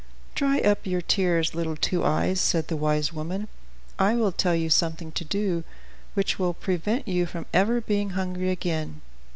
"Dry up your tears, little Two Eyes," said the wise woman; "I will tell you something to do which will prevent you from ever being hungry again.